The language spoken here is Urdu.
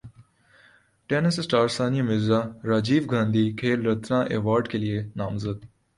ٹینس اسٹار ثانیہ مرزا راجیو گاندھی کھیل رتنا ایوارڈکیلئے نامزد